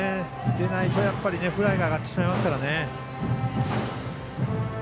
でないと、フライが上がってしまいますからね。